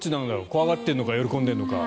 怖がっているのか喜んでいるのか。